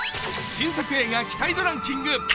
新作映画期待度ランキング